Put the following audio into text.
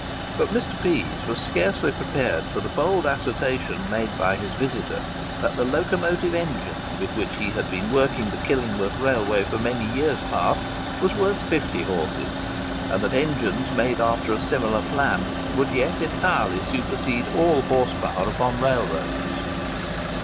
But Mr. Pease was scarcely prepared for the bold assertion made by his visitor, that the locomotive engine with which he had been working the Killingworth Railway for many years past was worth fifty horses, and that engines made after a similar plan would yet entirely supersede all horse power upon railroads.